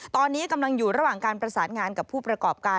ตอนนี้กำลังอยู่ระหว่างการประสานงานกับผู้ประกอบการ